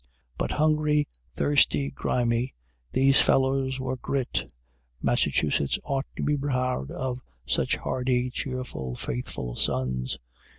But, hungry, thirsty, grimy, these fellows were GRIT. Massachusetts ought to be proud of such hardy, cheerful, faithful sons.